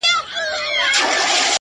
o پر وجود څه ډول حالت وو اروا څه ډول وه؛